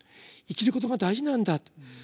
生きることが大事なんだと。